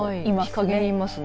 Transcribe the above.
日陰にいますね。